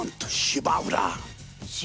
芝浦？